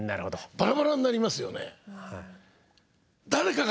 バラバラになりますよね。